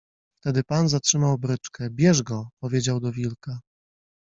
Wtedy pan zatrzymał bryczkę. - Bierz go! - powiedział do wilka.